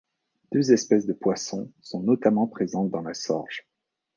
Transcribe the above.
Deux espèces de poissons sont notamment présentes dans la Sorge.